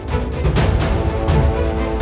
kau bisa saja lari